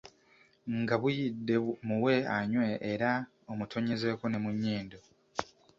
Nga buyidde muwe anywe era omutonnyezeeko ne mu nnyindo.